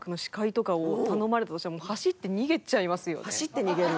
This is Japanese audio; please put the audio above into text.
走って逃げる？